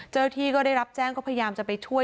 เจ้าหน้าที่ก็ได้รับแจ้งก็พยายามจะไปช่วย